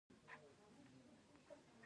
ولایتونه د افغانانو د تفریح یوه وسیله ده.